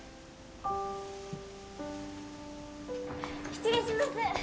失礼します！